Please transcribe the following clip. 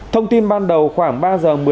thông tin ban đầu khoảng ba giờ